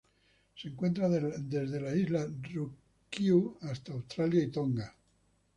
Se encuentra desde las Islas Ryukyu hasta Australia y Tonga.